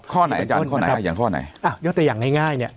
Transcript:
ข้อไหนอาจารย์ข้อไหนอย่างข้อไหนอ้าวยกตัวอย่างง่ายง่ายเนี่ย